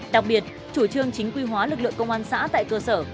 đặc biệt chủ trương chính quy hóa lực lượng công an xã tại cơ sở